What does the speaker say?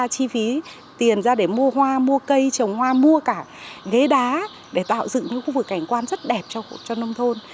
chi phí tiền ra để mua hoa mua cây trồng hoa mua cả ghế đá để tạo dựng những khu vực cảnh quan rất đẹp cho nông thôn